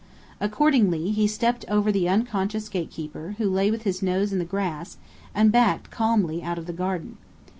Accordingly, he stepped over the unconscious gatekeeper, who lay with his nose in the grass, and backed calmly out of the garden.